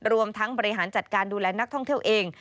รวมทั้งบริหารจัดการดูแลนักท่องเที่ยวเอง